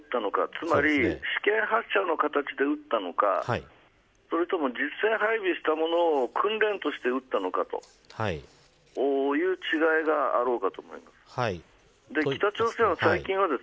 つまり試験発射の形で撃ったのかそれとも実戦配備したものを訓練として撃ったのかという違いがあると思います。